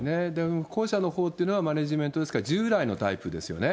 後者のほうというのはマネージメントですから、従来のタイプですよね。